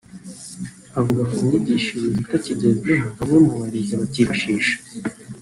Avuga ku myigishirize itakigezweho bamwe mu barezi bacyifashisha